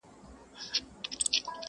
نه یې پای ته رسېدل اوږده بحثونه!!